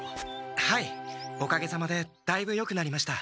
はいおかげさまでだいぶよくなりました。